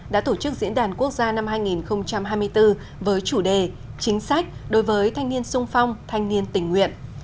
đã tổ chức diễn đàn quốc gia năm hai nghìn hai mươi bốn với chủ đề chính sách đối với thanh niên sung phong thanh niên tình nguyện